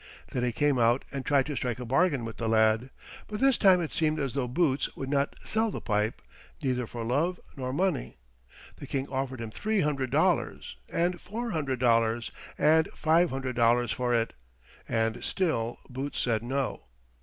Then he came out and tried to strike a bargain with the lad. But this time it seemed as though Boots would not sell the pipe, neither for love nor money. The King offered him three hundred dollars, and four hundred dollars, and five hundred dollars for it, and still Boots said no.